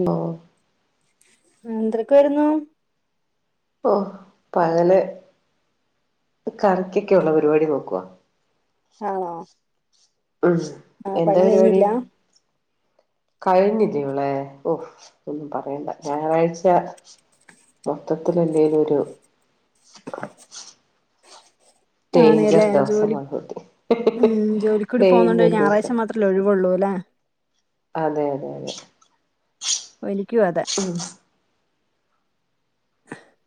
മ്പോ എന്തക്കെ വരുന്നു ഓ പകല് കറക്കൊക്കെയ ഉള്ള പരിപാടി നോക്കവാ ആണോ മ് ആ എന്താ പണി പരിപാടി കഴിഞ്ഞില്ല കഴിഞ്ഞി ഇവളെ ഓഹ് ഒന്നും പറയണ്ട ഞായറാഴ്ച്ച മൊത്തത്തില്ലെലും ഒരു ഡേഞ്ചർ ആണ്അലെ ജോലി ദിവസമാണ് കുട്ടി മ്മ് ജോലികൂടി പോന്നോണ്ട് ഡേഞ്ചർ ദിവസം ഞായറാഴ്ച്ച മാത്രഅല്ലെ ഒഴിവുള്ളുലെ അതെ അതെ അതെ എനിക്കും അതെ ഉം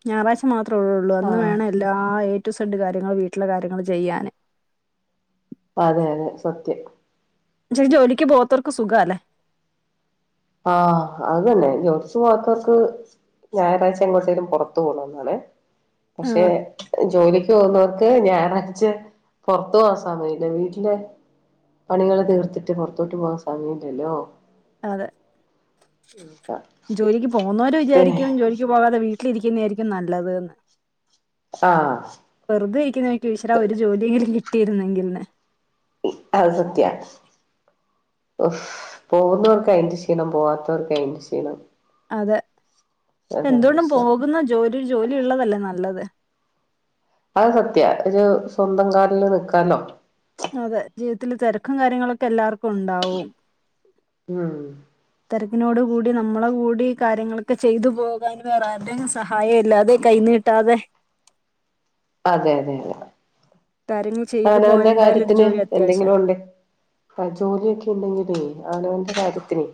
ഞായറാഴ്ച്ച മാ ഉള്ളു അന്ന് ആഹ് വേണം എല്ലാ എ- എ ടു ഇസിർഡ് കാര്യങ്ങൾ വീട്ടിലെ കാര്യങ്ങൾ ചെയ്യാൻ അതെ അതെ സത്യം ഈ ജോലിക്ക് പോവത്തോർക്ക് സുഖല്ലേ ആ അത് തന്നെ ജോലിക്ക് പോവത്തോർക്ക് ഞായറായഴ്‌ച്ച എങ്ങോട്ടേലും പോറത്ത് പോണോന്ന് ആണ് ആ പക്ഷെ ജോലി ക്ക് പോന്നോർക്ക് ഞായറാഴ്ച്ച പോറത്ത് പോവാൻ സമയല്ലാ വീട്ടിലെ പണികൾ തീർത്തിട്ട് പോർത്തൊട്ട് പോവൻ സമയല്ലല്ലോ അതെ ജോലിക്ക് പോകുന്നോര് വിചാരിക്കും ജോലിക്ക് പോകാതെ വീ വീട്ടിൽഇരിക്കുന്നെ ആയിരിക്കും നല്ലത് ന്ന് ആഹ് വെറുതെ ഇരിക്കുമ്പം ഇക്കും ഈശ്വര ഒരു ജോലിയെങ്കിലും കി ട്ടിര്ന്നെങ്കിൽന്ന് ഈ അത് സത്യണ് ഓഹ് പോകുന്നവർക്ക് അയിന്റെ ക്ഷീണം പോവാത്തവർക്ക് അയിന്റെ ക്ഷീണം അതെ അതാ എന്തുകൊണ്ടും പ്രശ്നം പോകുന്ന ജോലി ഒരു ജോലി ഉള്ളതല്ലേ നല്ലത് അത് സത്യാ ഒരു സ്വന്തം കാലില് നിക്കാലോ അതെ ജീവിതത്തില് തിരക്കും കാര്യങ്ങളൊക്കെ എല്ലാവർക്കും ഉണ്ടാവും. ഇം തിരക്കിനോട് കൂടി നമ്മളെ കൂടി കാര്യങ്ങളൊക്കെ ചെയ്തു പോകാൻ വേറെ ആര്ടേം സഹായം ഇല്ലാതെ കൈ നീട്ടാതെ അതെ അതെ അതെ കാര്യങ്ങൾ ചെയ്തു പോകാൻ അവനവന്റെ എന്തായാലും ഒരു കാര്യത്തിന് ജോലി അത്യാവശ്യം എന്തെങ്കിലും ഉണ്ടെ അ ജോലിയൊക്കെ ഇണ്ടെങ്കിലേ അവനവന്റെ കാര്യത്തിനെ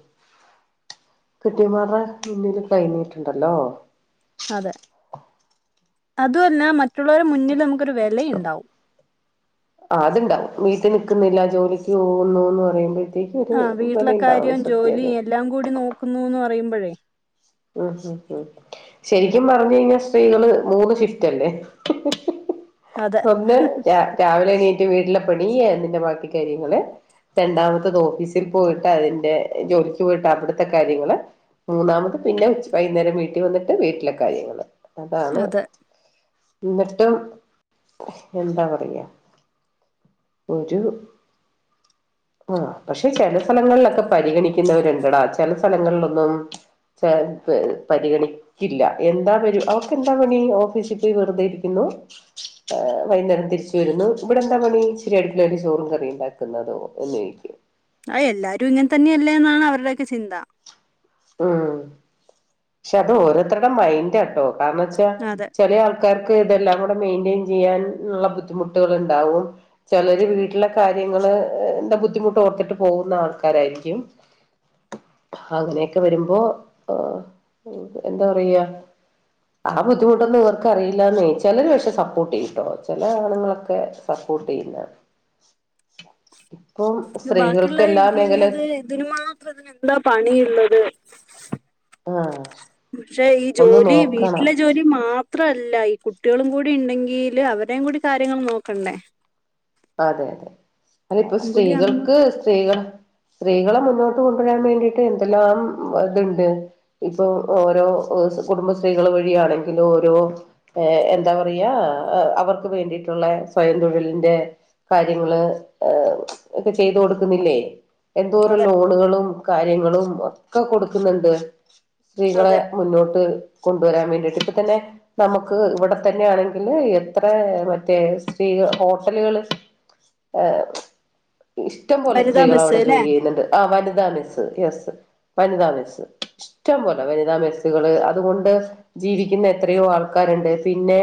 കെട്ടിയോൻമാരടെ മുന്നിൽ കൈ നീട്ടണ്ടല്ലോ. അതെ അതു അല്ല മ റ്റുള്ളവരുടെ മുന്നിൽ നമുക്ക് ഒരു വെല ഇണ്ടാവും ആഹ് അത്ണ്ടാവും വീട്ടിൽ നിക്കുന്നില്ല ജോലിക്ക് പോകുന്നൂന്ന് പറയുമ്പ ആ വീട്ടിലെക്കാര്യോം ജോലി എല്ലാം കൂടി നോക്കുന്നൂന്ന് പറയു പ്പഴെ ഇഹ് ഇഹ് ഇഹ് ശെരിക്കും പറഞ്ഞ് കഴിഞ്ഞാ സ്ത്രീകള് മൂന്ന് ഷിഫ്റ്റ് അല്ലേ അതെ ഒന്ന് ര രാവിലെ എണീ ട്ട് വീട്ടിലെ പണി അതിന്റെ ബാക്കി കാര്യങ്ങള്. രണ്ടാമത്തത് ഓഫീസി പോയിട്ട് അതിന്റെ ജോലിക്ക് പോയിട്ട് അവിടുത്തെ കാര്യങ്ങള്. മൂന്നാമത് പിന്നെ ഉച്ച വൈകുന്നേരം വീട്ടി വന്നിട്ട് വീട്ടിലെ കാര്യങ്ങള്. അതാണ് അതെ എന്നിട്ടും എന്താ പറയാ ഒരു ആ പക്ഷെ ചില സ്ഥലങ്ങളിലൊക്കെ പരിഗണിക്കുന്നവരിണ്ടടാ ചില സ്ഥലങ്ങളിലൊന്നും ചെ പ് പരിഗണിക്കില്ല എന്താ പര് അവക്കെന്താപണി ഓഫീസിപോയി വെറുതെ ഇരിക്കുന്നു. ഏഹ് വൈന്നേരം തിരിച്ച് വരുന്നു. ഇവിടെ എന്താ പണി ഇച്ചിരി അടുക്കളേല് ചോറും കറിയും ഇണ്ടാക്കുന്നതോ എന്ന് ചോദിക്കും. ആഹ് എല്ലാരും ഇങ്ങനതന്നയാണ് ല്ലേന്നാണ് അവരുടെക്കെ ചിന്ത ആഹ ക്ഷെ അത് ഓരോത്തരുടെ മൈന്റ് ആ ട്ടോ കാരണച്ചാ അതെ ചെലേആൾക്കാർക്ക് ഇതെല്ലാംകൊ ക്ക മെയിന്റെയിൻ ചെയ്യാൻ ഉള്ള ബുദ്ധിമുട്ടുകളുണ്ടാവും ചെലര് വീട്ട്ലെ കാര്യങ്ങള് എന്താ ബുദ്ധിമുട്ട് ഓർത്തിട്ട് പോകുന്ന ആൾക്കാരായിരിക്കും അങ്ങനെയൊക്കെ വരുമ്പോ എന്താ പറയാ ആ ബുദ്ധിമുട്ടൊന്നും ഇവർക്ക് അറിയില്ലാന്നെ ചിലര് പക്ഷെ സപ്പോർട്ട് ചെയ്യുട്ടോ ചില ആണുങ്ങളൊക്കെ സപ്പോർട്ട് ചെയ്യുന്ന ഇപ്പം ഇത് ബാക്കിയുള്ള സ്ത്രീകൾക്ക് എല്ലാ മേഖല ഇരിക്കുന്നത് ഇതിന് മാത്രം ഇത്രതിനെന്താ പണിയ്ള്ളത് ആഹ് പക്ഷെ ഈ ഒന്ന് ജോലി നോക്കണം വീട്ടിലെ ജോലി മാത്രല്ല ഇ കുട്ടികളും കൂടി ഉണ്ടെങ്കില് അവരേയും കൂടി കാര്യങ്ങൾ നോക്കണ്ടേ അതെ അതെ അതും കൂടി ആകുമ്പോ അതിഇപ്പോസ്ത്രീകൾക്ക് സ്ത്രീകൾ സ്ത്രീകളെ മുന്നോട്ട് കൊണ്ടുവരാൻ വേണ്ടിട്ട് എന്തെല്ലാം ഇത്ണ്ട് ഇപ്പൊ ഓരോ കുടുംബശത്രീകൾ വഴിയാണെങ്കിലും ഓരോ എന്താ പറയാ അവർക്ക് വേണ്ടിയിട്ടുള്ള സ്വയം തൊഴിലിന്റെ കാര്യങ്ങള് ഏർ ഒക്കെ ചെയ്ത് കൊടുക്കുന്നില്ലേ എന്തോരം അതെ ലോണുകളും കാര്യങ്ങളും ഒക്കെ കൊടുക്കുന്നുണ്ട് സ്ത്രീകളെ അതെ മുന്നോട്ട് കൊണ്ട് കൊണ്ട്വരാൻ വേണ്ടിയിട്ട് ഇപ്പ തന്നെ നമക്ക് ഇവിടെത്തന്നെ ആണെങ്കില് എത്ര മറ്റേ സ്ത്രീക ഹോട്ടലുകൾ ആഹ ഇഷ്ടം പോലെ വനിതാ സ്ത്രീകൾ മെസ്സ് അവിടെ ല്ലേ ജോലി ചെയ്യുന്നുണ്ട് ആ വനിത മിസ് യെസ് വനിതാ മെസ്സ് ഇഷ്ടം പോലെ വനിതാ മെസ്സുകള് അതുകൊണ്ട് ജീവിക്കുന്ന എത്രയോ ആൾക്കാരുണ്ട് പിന്നെ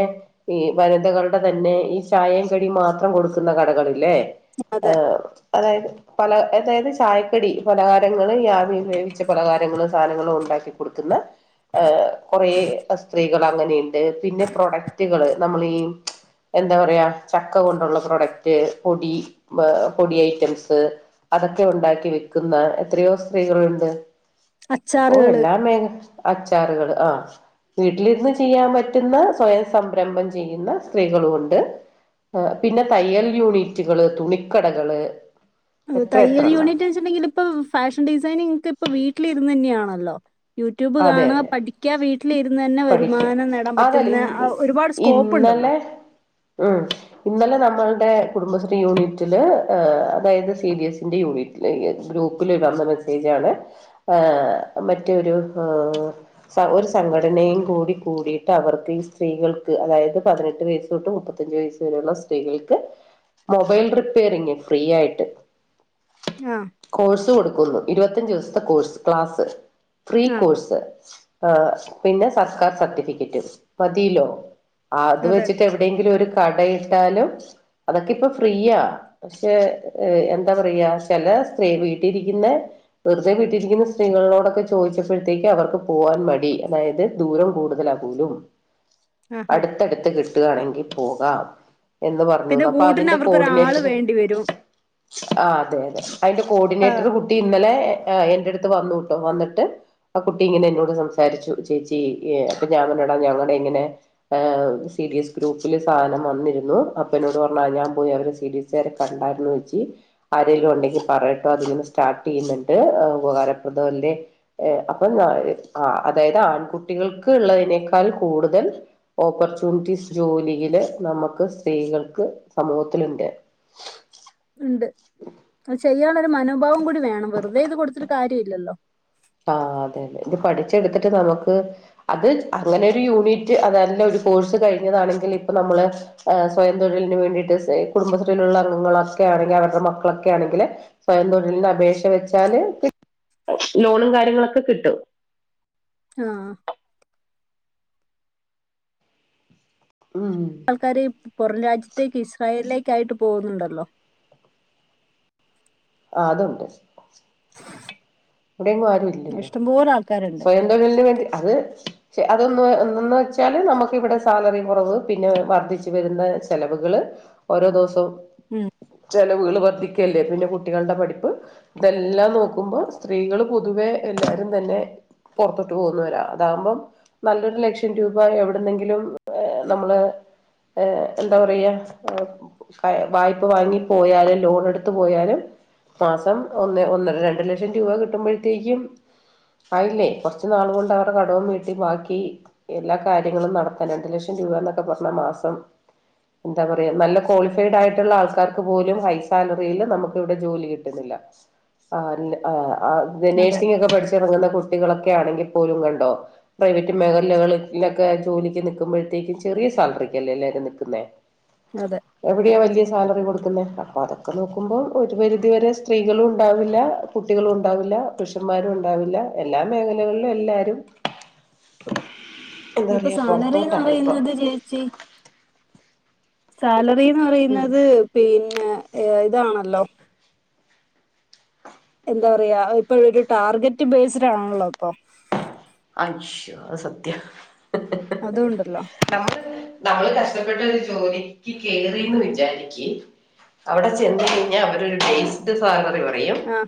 ഈ വനിതകളുടെ തന്നെ ഈ ചായയും കടി മാത്രം കൊടുക്ക ക്കുന്ന കടകളില്ലേ ആ അതെ അതായത് പല അതായത് ചായക്കടി പലഹാരങ്ങള് യാവിയിൽ വേവിച്ച പലഹാരങ്ങള് സാനങ്ങളും ഉണ്ടാക്കി കൊടുക്കുന്ന ഏ കുറേ സ്ത്രീകൾ അങ്ങനെയിണ്ട് പിന്നെ പ്രൊഡക്റ്റുകള് നമ്മളീ ച്ച എന്താ പറയാ ചക്ക കൊണ്ടുള്ള പ്രൊഡക്ട് മറ്റേ പൊടി മ് പൊടി ഐറ്റംസ് അതൊക്കെ ഉണ്ടാക്കി വെക്കുന്ന എത്രയോ സ്ത്രീകളുണ്ട് അപ്പൊ അച്ചാറുകള് എല്ലാ മേഗ അച്ചാറുകള് ആ വീട്ടിലിരുന്ന് ചെയ്യാൻ പറ്റുന്ന സ്വയം സംരംഭം ചെയ്യുന്ന സ്ത്രീകളുഉണ്ട് പിന്നെ തയ്യൽ യൂണിറ്റുകള് തുണിക്കടകള് എത്ര തയ്യൽ എത്രണ്ണ യൂണിറ്റ് വെച്ച്ണ്ടെങ്കിലിപ്പം ഫാഷൻ ഡിസൈനിങ്ങക്കെ ഇപ്പ വീട്ടിലിരുന്നെന്യ അല്ലോ യൂട്യൂബ് കാണ പഠിക്കാ വീട്ടിലിരുന്ന് തന്നെ പഠിക്ക വരുമാനം നേടാൻ അതല്ല പറ്റുന്ന ഇന്ന് ആഹ് ഒരുപാട് സ്കോപ്പ് ഉണ്ടല്ലോ ഇന്നലെ ഉ ഇന്നലെ നമ്മ മ്മൾടെ കുടുംബശ്രീയൂനിറ്റില് ഏഹ് അതായത് സീഡിയസ്സിന്റെ യൂണിറ്റിലേക്ക് ഗ്രൂപ്പിലിടേണ്ട മെസേജാണ് ആഹ്‌ മറ്റൊരു മ്മ് സങ്ക ഒരുസങ്ക നയും കൂടി കൂടിട്ട് അവർക്ക് ഈ സ്ത്രീകൾക്ക് അതായത് പതിനെട്ട് വയസ് തൊട്ട് മുപ്പത്തഞ്ച് വയസ് വരെയുള്ള സ്ത്രീകൾക്ക് മൊബൈൽ റിപ്പയറിങ്‌ ഫ്രീആയിട്ട് ആഹ് കോഴ്സ് കൊടു ഇരുപത്തിഞ്ച് ദിവസത്തെ കോഴ്സ് ക്ലാസ്സ് ഫ്രീ ആഹ് കോഴ്സ് ആ പിന്നെ സർക്കാർ സർട്ടിഫിക്കറ്റ് മതിലോ? അത് അതെ വെച്ചിട്ട് എവിടെയെങ്കിലും ഒരു കട ന്നാലും അതൊക്കെ ഇപ്പൊ ഫ്രീയാ പക്ഷെ എന്താ പറയാ ചെല സ്ത്രീ വീട്ടിരിക്കുന്ന വെറുതെ വീട്ടിലിരിക്കുന്ന സ്ത്രീകളിനോടൊക്കെ ചോദിച്ചപ്പഴ്ത്തേക്ക് അവർക്ക് പോവാൻ മടി. അതായത് ദൂരം കൂടുതലാകൂലും ആഹ് ആഹ് അടുത്തടുത്ത് കിട്ടുകാണെങ്കി പോകാം എന്ന് പിന്നെ പറഞ്ഞൂന്നു അപ്പൊ കൂട്ടിന് അതിന്റെ അവർക്ക് ഒരാള് കോർഡിനേറ്റർ വേണ്ടി വരും ആ അതെ അതെ അതിന്റെ കോർഡിനേറ്റർ ആഹ് കുട്ടി ഇന്നലെ അ എന്നെ എ അടുത്ത് വന്നുട്ടോ വന്നിട്ട് ആ കുട്ടി ഇങ്ങനെ എന്നോട് സംസാരിച്ചു. ചേച്ചി അപ്പൊ ഞാൻ പറഞ്ഞടാ ഞങ്ങളുടെ ഇങ്ങനെ സി ഡി എസ് ഗ്രൂപ്പിൽ സാധനം വന്നിരുന്നു അപ്പ എന്നോട് പറഞ്ഞ ഞാൻ പോയി അവരെ സി ഡി എസ് വരെ കണ്ടായിരുന്നു ചേച്ചി ആരെലും ഉണ്ടെങ്കിൽ പറയട്ടോ അതിൽ നിന്ന് സ്റ്റാർട്ട് ചെയ്യുന്നുണ്ട് ഉപകാരപ്പെടാ ഇല്ലെന്ന് അപ്പൊ ഞാൻ ആഹ്. അതായത് ആൺകുട്ടികൾക്ക് ഉള്ളതിനേക്കാൾ കൂടുതൽ ഓപ്പർച്യൂണിറ്റീസ് ജോലിയില് നമുക്ക് സ്ത്രീകൾക്ക് സമൂഹത്തിലുണ്ട്. ഉണ്ട് ചെയ്യ [unintelligible] മനോഭാവം കൂടി വേണം വെറുതെ ഇത് കൊടുത്തൊരു കാര്യം ഇല്ലല്ലോ. ആ അതെ അതെ ഇത് പഠിച്ചെടുത്തിട്ട് നമുക്ക് അത് അങ്ങനെ ഒരു യൂണിറ്റ് അതല്ല ഒരു കോഴ്സ് കഴിഞ്ഞതാണെങ്കിൽ ഇപ്പൊ നമ്മള് സ്വയം തൊഴിലിന് വേണ്ടിട്ട് കുടുംബശ്രീയിലുള്ള അംഗങ്ങളൊക്കെ ആണെങ്കിൽ അവരുടെ മക്കളൊക്കെ ആണെങ്കില് സ്വയം തൊഴിലിന് അപേക്ഷ വെച്ചാല് ലോണും കാര്യങ്ങളൊക്കെ കിട്ടും. ആഹ്. ഉം ആൾക്കാര് പുറം രാജ്യത്തേക്ക് ഇസ്രായേലിലേക്ക് ആയിട്ട് പോകുന്നുണ്ടല്ലോ. ആ അതുണ്ട്. [inaudible] ഇവിടെങ്ങും ആരും ഇല്ലല്ലോ ഇഷ്ടംപോലെ ആൾക്കാരുണ്ട് സ്വയം തൊഴിലിന് വേണ്ടി അത് അതൊന്ന് എന്തന്ന് വെച്ചാൽ നമുക്കിവിടെ സാലറി കുറവ് പിന്നെ വർദ്ധിച്ച് വരുന്ന ചെിലവുകൾ ഓരോ ദിവസവും ഉം സ്കൂള് വർദ്ധിക്കല്ലേ പിന്നെ കുട്ടികളുടെ പഠിപ്പ് ഇതെല്ലാം നോക്കുമ്പം സ്ത്രീകൾ പൊതുവേ എല്ലാരും തന്നെ പുറത്തോട്ട് പോകുന്നവരാ അതാമ്പം നല്ലൊരു ലക്ഷം രൂപ എവിടെുന്നെങ്കിലും നമ്മള് എന്താ പറയാ വായ്പ വാങ്ങി പോയാലും ലോൺ എടുത്ത പോയാലും മാസം ഒന്ന് ഒന്നര രണ്ട് ലക്ഷം ആയിരംരൂപ കിട്ടുമ്പോഴത്തേക്കും ആയില്ലേ കുറച്ച നാൾ കൊണ്ട് അവരുടെ കടവം വീട്ടി ബാക്കി എല്ലാ കാര്യങ്ങളും നടത്താൻ രണ്ടു ലക്ഷം രൂപ എന്നൊക്കെ പറഞ്ഞ മാസം എന്താ പറയാ നല്ല ക്വാളിഫൈഡ് ആയിട്ടുള്ള ആൾക്കാർക്ക് പോലും ഹൈ സാലറിൽ നമുക്ക് ഇവിടെ ജോലി കിട്ടുന്നില്ല ആല്ല ആഹ് ആഹ് അതെ നഴ്സിങ് ഒക്കെ പഠിച്ച് ഇറങ്ങുന്ന കുട്ടി കുട്ടികളൊക്കെ ആണെങ്കി പോലും കണ്ടോ പ്രൈവറ്റ് മേഖലകളിലൊക്കെ ജോലിക്ക് നിക്കുമ്പോഴത്തേക്കും ചെറിയ സാലറിക്കല്ലേ എല്ലാരും നിക്കുന്നെ അതെ എവിടെയാ വലിയ സാലറി കൊടുക്കുന്ന അപ്പൊ അതൊക്കെ നോക്കുമ്പോ ഒരു പരിധി വരെ സ്ത്രീകളും ഉണ്ടാവില്ല കുട്ടികളും ഉണ്ടാവില്ല പുരുന്മാരും ഉണ്ടാവില്ല എല്ലാ മേഖലകളിലും എല്ലാരും എന്താ ഇപ്പൊ പറയാ സാലറിന്ന് പുറത്തോട്ടാണിപ്പം പറയുന്നത് ചേച്ചി സാലറി ഉം പറയുന്നത് പിന് പിന്നെ ഇതാണല്ലോ എന്താ പറയാ ഇപ്പൊ ഒരു ടാർഗറ്റ് ബേസ്ഡ് ആണല്ലോ ഇപ്പം ആശ്ശോ അത് സത്യാ അതുകൊണ്ടല്ലോ നമ്മള് നമ്മള് കഷ് ഷ്ടപ്പെട്ടൊരു ജോലിക്ക് കേറിന്ന് വിചാരിക്ക് അവടെ ചെന്ന് കഴിഞ്ഞാ അവരൊര് ഡേയ്സ്ഡ് സാലറി പ റയും ആ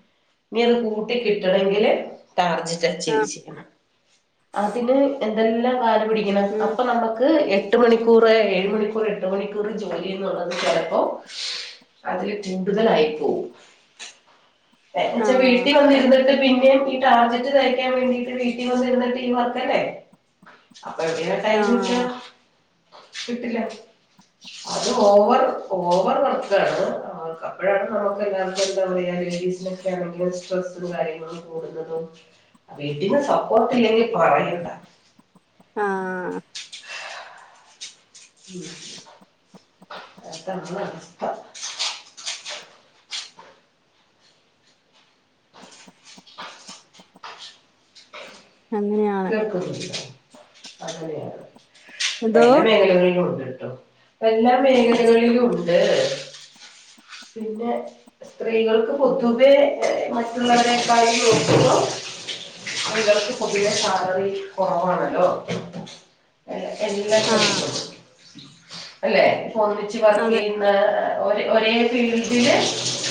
ഇനിയത് കൂ കൂട്ടി കിട്ടണെങ്കില് ടാർജറ്റ് ആ അച്ചീവ് ചെയ്യണം അതിന് എന്തെല്ലാം ക ണ്ട് പിടിക്കണം ഉം അപ്പൊ നമക്ക് എ എട്ട് മണിക്കൂറ് ഏഴ് മണിക്കൂറ് എട്ട് മണിക്കൂറ് ജോലി എന്നുള്ളത് ചെലപ്പോ അതില് കൂടുതലായി പോവും എന്നെച്ചാ ആ വീട്ടി വന്നിരുന്നി ട്ട് പിന്നേം ഈ ടാർജെറ്റ് തെകക്കാൻ വേണ്ടിയിട്ട് വീ ട്ടി വന്നിരുന്നിട്ട് ഈ വർക്കല്ലേ അപ്പം എവിടെയാ ടൈം ആ കിട്ടാ കിട്ടില്ല അത് ഓവർ, ഓവർ വർക്കാണ് അപ്പഴാണ് നമക്ക് എല്ലാർക്കും എന്താ പറയാ റിലേറ്റീവ്സ്നോക്കെ ആണെങ്കിലും സ്ട്രെസ്സും കാര്യങ്ങളും കൂടുന്നതും വീട്ടീന്ന് സ സപ്പോർട്ടില്ലെങ്കി പറയണ്ട ആഹ് ഉം അതാണ് അവസ്ഥ അങ്ങനെയാണ് കേൾക്കുന്നുണ്ട് അങ്ങനെയാണ് എന്തോ എല്ലാ മേഖലകളിലുണ്ട് [unintelligible] എല്ലാ അതെ മേഖലകളിലും ഉണ്ട് പിന്നെ സ്ത്രീകൾക്ക് പൊതുവെ മറ്റുള്ളവരേക്കാളും നോക്കുമ്പം സ്ത്രീകൾക്ക് പൊതുവെ സാലറി കൊറവണല്ലോ എല്ലാ ആ [unintelligible] അല്ലേ ഫോൺ വെച്ച് അതെ വർക്കേയ്യുന്ന ഒരേ ഒരേ ഫീൽഡില്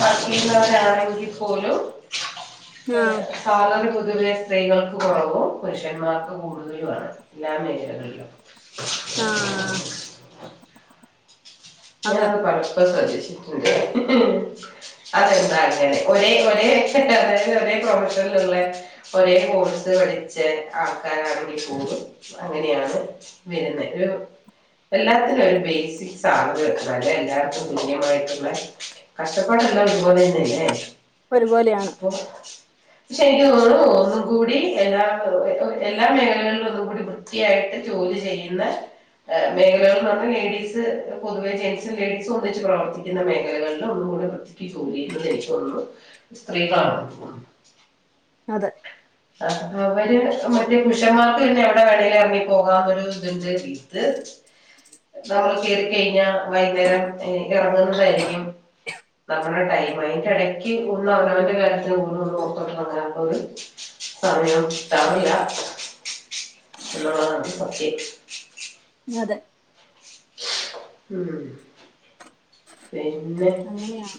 വർക്കെയുന്നവരാണെങ്കി പോലും ആ ഏഹ് സാലറി പൊ തുവെ സ്ത്രീകൾക്ക് കൊറവും പുരുഷന്മാർക്ക് കൂടുതലും ആണ് എല്ലാ മേഖലകളിലും ആഹ് [inaudible] ഞാൻ അത് [unintelligible] [unintelligible] അതെന്താ അങ്ങനെ ഒരേ ഒരേ [unintelligible] അതായത് ഒരേ പ്രൊഫാഷനില് ഇള്ളെ ഒരേ കോഴ്സ് പഠി ച്ചെ ആ അങ്ങനെയാണ് വരുന്നെ. ഒരു എല്ലാത്തിനും ഒരു ബേസിക് സാലറി വരെ എല്ലാവർക്കും തുല്യമായിട്ടുള്ള കഷ്ടപ്പാടെല്ലാം ഒരു പോലെ തന്നെയല്ലേ. ഒരുപോലെയാണ് അപ്പൊ പക്ഷെ എനിക്ക് തോന്നുന്നു ഒന്നും കൂടി എല്ലാ എല്ലാ മേഖലകളിലും ഒന്നും കൂടി വൃത്തിയായിട്ട് ജോലി ചെയ്യുന്ന ഏ മേഖലകൾ നിന്ന് ലേഡീസ് പൊതുവെ ജെന്റ്സും ലേഡീസും ഒന്നിച്ച് പ്രവർത്തിക്കുന്ന മേഖലകൾലും ഒന്നും കൂടി വൃത്തിക്ക് ജോലി ചെയ്യുന്നത് എനിക്ക് തോന്നുന്നു സ്ത്രീകളാണ്. അതെ ആഹ് അവര് മറ്റേ പുരുഷന്മാർക്ക് പിന്നെ എവിടെ വേണെങ്കിലും ഇറങ്ങി പോകാന്നൊരു ഇതുണ്ട് ഇത് നമ്മൾ കേറി കൈഞ്ഞാ വൈന്നേരം ഇ ഇറങ്ങുന്നത് വരെയായിരിക്കും നമ്മുടെ ടൈം. അയിന്റെ ഇടക്ക് ഒന്ന് അവനവന്റെ കാര്യത്തിന് ഒന്ന് നോക്ക പറഞ്ഞ ഒരു സമയം ട്ടമില്ല എന്നുള്ളതാണ് സത്യം. അതെ മ്മ് അങ്ങനെയാ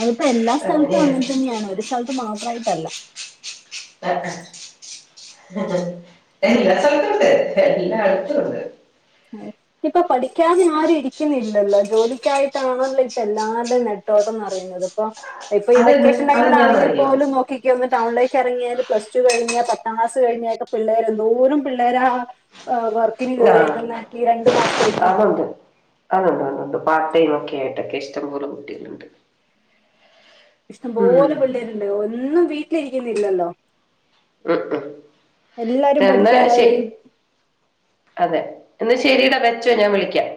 അതിപ്പോ എല്ലാ സ്ഥലത്തും അങ്ങനെ അങ്ങനെയാണ് തന്നെയാണ് ഒരു സ്ഥലത്ത് മാത്രായിട്ടല്ല. ആ ആ എല്ലാ സ്ഥലത്തുണ്ട് എല്ലാടുത്തുണ്ട്. ഇപ്പ പഠിക്കാനും ആരും ഇരിക്കുന്നില്ലല്ലോ ജോലിക്കായിട്ടാണല്ലോ ഇപ്പ എല്ലാർടെയും നെട്ടോട്ടന്ന് പറയുന്നത് ഇപ്പ ഇപ്പ ഈ അതെന്താ വെക്കേഷൻ ടൈമിലാണെങ്കിൽ അതെന്താണെന്നറിയോ പോലും നോക്കിക്കെ ഒന്ന് ടൗൺലെ ക്കെറങ്ങിയാല് പ്ലസ്റ്റു കഴിഞ്ഞ പത്താം ക്ലാസ് കഴിഞ്ഞെക്കെ പിള്ളേര് എന്തോരം പിള്ളേരാ ആ വർക്കിന് ആ കേറിയേക്കുന്നെ അതുണ്ട് അതുണ്ട് അതുണ്ട് പാർട്ട് ടൈം ഒക്കെ ആയി ട്ടൊക്കെ ഇഷ്ടംപോലും കുട്ടികളുണ്ട് ഉം. ഇഷ്ടംപോല പിള്ളേരുണ്ട് ഒന്നും വീട്ടിലി ക്കുന്നില്ലല്ലോ മ്മ് മ് എന്നാ പഠിക്കാ ശെരി അതെ എന്ന ശരീടാ വെച്ചോ ഞാൻ വിളിക്കാം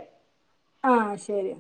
ആഹ് ശെരി